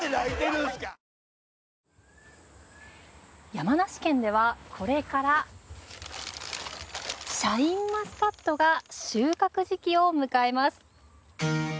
山梨県では、これからシャインマスカットが収穫時期を迎えます。